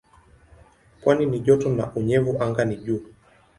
Pwani ni joto na unyevu anga ni juu.